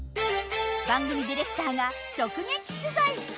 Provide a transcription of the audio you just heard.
番組ディレクターが直撃取材！